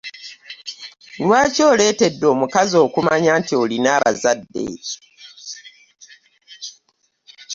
Lwaki oletede omukazi okumanya nti olina abazadde?